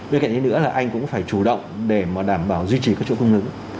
bên cạnh thế nữa là anh cũng phải chủ động để đảm bảo duy trì các chỗ cung lưỡng